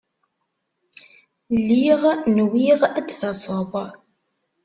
Lliɣ nwiɣ ad d-taseḍ.